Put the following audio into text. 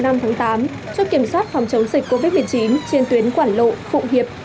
sáu h ngày năm tháng tám chốt kiểm soát phòng chống dịch covid một mươi chín trên tuyến quảng lộ phụ hiệp